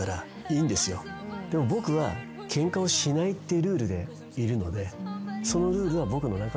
でも僕はケンカをしないっていうルールでいるので。